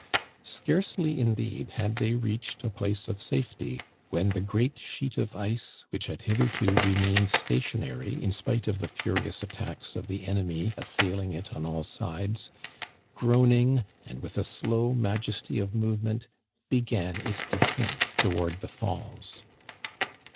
Scarcely, indeed, had they reached a place of safety, when the great sheet of ice, which had hitherto remained stationary in spite of the furious attacks of the enemy assailing it on all sides, groaning, and with a slow majesty of movement, began its descent toward the falls.